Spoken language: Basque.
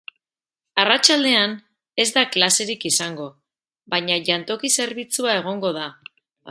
Arratsaldean ez da klaserik izango, baina jantoki-zerbitzua egongo da.